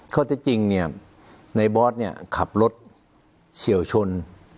ข้อเจ็ดจริงในบอสขับรถเฉียวชน